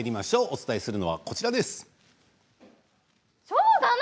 お伝えするのはこちらです。